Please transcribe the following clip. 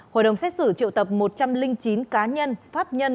hội đồng xét xử triệu tập một trăm linh chín cá nhân pháp nhân